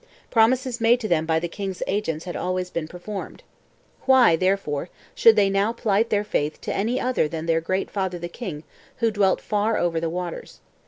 Promises made to them by the king's agents had always been performed. Why, therefore, should they now plight their faith to any other than their Great Father the King, who dwelt far over the waters?